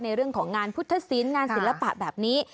ในเรื่องของงานพุทธศิลป์งานศิลปะแบบนี้